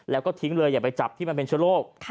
แล้วก็ทิ้งเลยอย่าไปจับที่มันเป็นเชื้อโรค